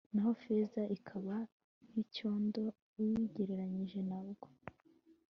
naho feza ikaba nk'icyondo, uyigereranyije na bwo